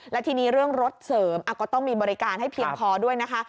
และทีนี้เรื่องรถเสริมก็ต้องมีบริการให้เพียงพอด้วยนะคะ